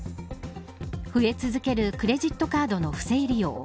増え続けるクレジットカードの不正利用。